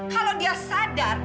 kalau dia sadar